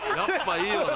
いいよな。